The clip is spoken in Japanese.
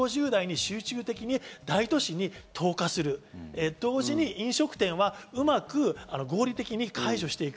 ワクチンを４０５０代に集中的に大都市に投下する、と同時に飲食店はうまく合理的に解除していく。